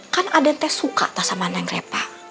kan aden te suka tas sama neng repa